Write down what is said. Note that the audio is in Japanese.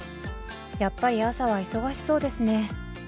やっぱり朝は忙しそうですね。